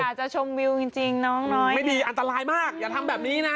อาจจะชมวิวจริงจริงน้องน้อยไม่ดีอันตรายมากอย่าทำแบบนี้นะ